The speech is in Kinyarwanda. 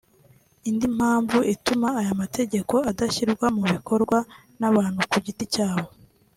Indi mpamvu ituma aya mategeko adashyirwa mu bikorwa n’abantu ku giti cyabo